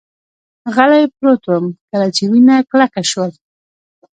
غلی پروت ووم، کله چې وینه کلکه شول.